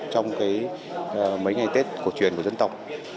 trong mấy ngày tết cổ truyền của dân tộc